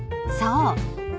［そう。